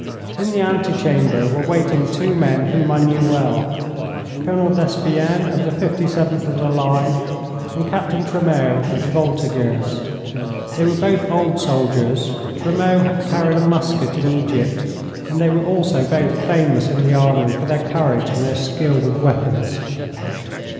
In the ante chamber were waiting two men whom I knew well: Colonel Despienne, of the 57th of the line, and Captain Tremeau, of the Voltigeurs. They were both old soldiers Tremeau had carried a musket in Egypt and they were also both famous in the army for their courage and their skill with weapons.